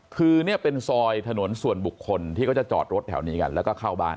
คือเนี่ยเป็นซอยถนนส่วนบุคคลที่เขาจะจอดรถแถวนี้กันแล้วก็เข้าบ้าน